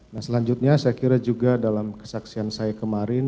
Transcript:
nah selanjutnya saya kira juga dalam kesaksian saya kemarin